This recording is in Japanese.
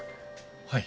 はい。